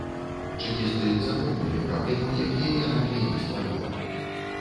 Чэкісты запомнілі праблемы, якія яна для іх стварыла.